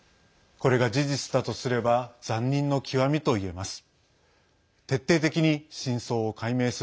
これが事実だとすれば残忍の極みといえます。